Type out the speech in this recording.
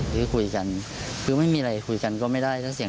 ถ้าเล่านี้ก็ไม่ดี